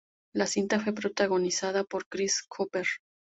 La cinta fue protagonizada por Chris Cooper.